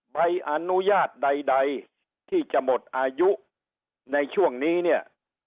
ใบอนุญาตใดที่จะหมดอายุในช่วงนี้เนี่ย